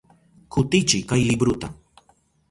Kutichiy kay libruta.